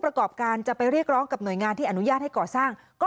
ประกอบการจะไปเรียกร้องกับหน่วยงานที่อนุญาตให้ก่อสร้างก็